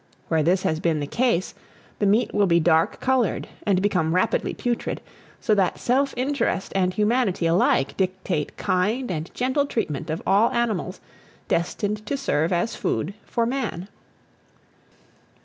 Where this has been the case, the meat will be dark coloured, and become rapidly putrid; so that self interest and humanity alike dictate kind and gentle treatment of all animals destined to serve as food for man.